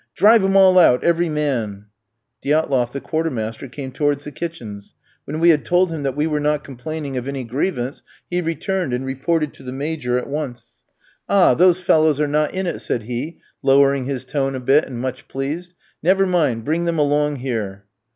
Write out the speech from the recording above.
Drive 'em all out, every man!" Diatloff, the quartermaster, came towards the kitchens. When we had told him that we were not complaining of any grievance, he returned, and reported to the Major at once. "Ah, those fellows are not in it," said he, lowering his tone a bit, and much pleased. "Never mind, bring them along here."